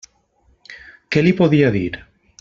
Què li podia dir?